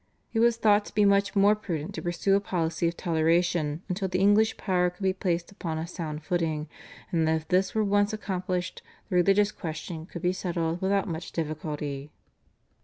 It was thought to be much more prudent to pursue a policy of toleration until the English power could be placed upon a sound footing, and that if this were once accomplished the religious question could be settled without much difficulty.